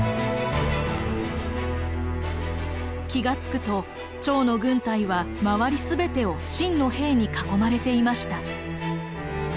気が付くと趙の軍隊は周り全てを秦の兵に囲まれていました。